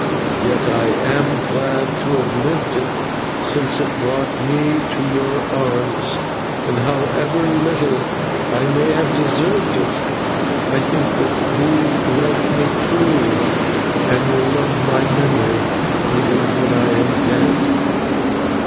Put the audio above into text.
Yet I am glad to have lived it, since it brought me to your arms, and, however little I may have deserved it, I think that you loved me truly and will love my memory even when I am dead.